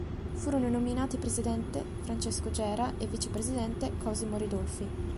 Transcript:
Furono nominati presidente Francesco Gera e vicepresidente Cosimo Ridolfi.